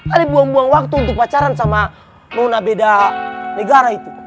ada buang buang waktu untuk pacaran sama nona beda negara itu